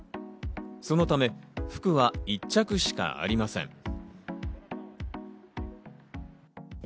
そのため服は１着しかありません。